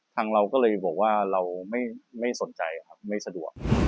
เราก็เลยบอกว่าเราไม่สนใจครับไม่สะดวก